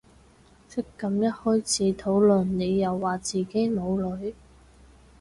唓咁一開始討論你又話自己冇女